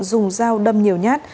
dùng dao đâm nhiều nhát